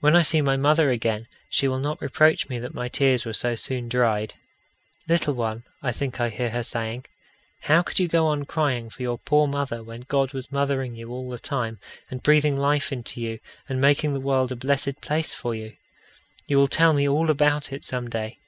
When I see my mother again, she will not reproach me that my tears were so soon dried. "Little one," I think I hear her saying, "how could you go on crying for your poor mother when God was mothering you all the time, and breathing life into you, and making the world a blessed place for you? You will tell me all about it some day."